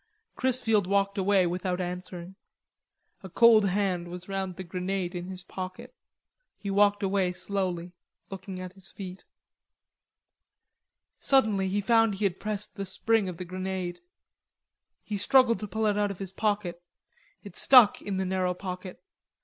Chrisfield walked away without answering. A cold hand was round the grenade in his pocket. He walked away slowly, looking at his feet. Suddenly he found he had pressed the spring of the grenade. He struggled to pull it out of his pocket. It stuck in the narrow pocket.